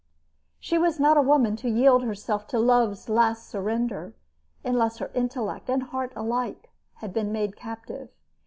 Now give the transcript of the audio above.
She was not a woman to yield herself in love's last surrender unless her intellect and heart alike had been made captive.